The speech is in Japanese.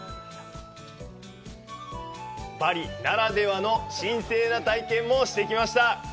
バリならではの神聖な体験もしてきました。